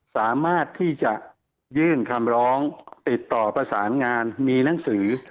สามารถที่จะยื่นคำร้องติดต่อประสานงานมีหนังสือ